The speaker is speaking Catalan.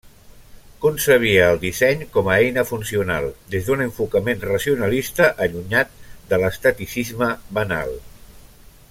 Concebia el disseny com a eina funcional, des d'un enfocament racionalista allunyat de l'esteticisme banal.